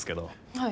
はい。